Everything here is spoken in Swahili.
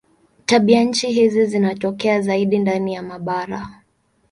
Tabianchi hizi zinatokea zaidi ndani ya mabara.